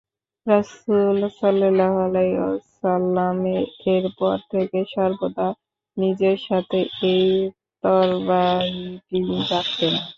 রাসূল সাল্লাল্লাহু আলাইহি ওয়াসাল্লাম এরপর থেকে সর্বদা নিজের সাথে এই তরবারিটিই রাখতেন।